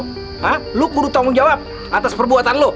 hah lo guru tanggung jawab atas perbuatan lo